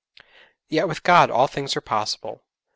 Yet with God all things are possible.